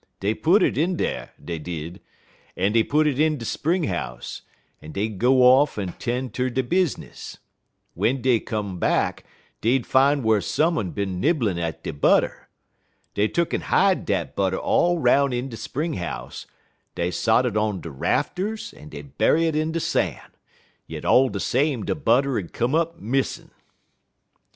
Dey put it in dar, dey did, en dey put it in de spring house, en dey'd go off en 'ten' ter dey business. Den w'en dey come back dey'd fine whar some un been nibblin' at dey butter. Dey tuck'n hide dat butter all 'roun' in de spring house; dey sot it on de rafters, en dey bury it in de san'; yit all de same de butter 'ud come up missin'.